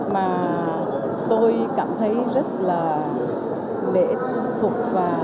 mà tôi cảm thấy rất là lễ phục